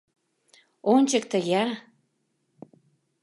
— Ончыкто-я!